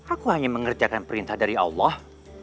aku hanya mengerjakan perintah dari allah